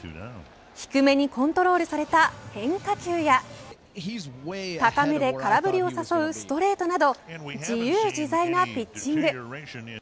低めにコントロールされた変化球や高めで空振りを誘うストレートなど自由自在なピッチング。